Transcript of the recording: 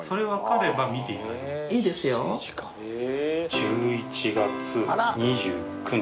１１月２９日。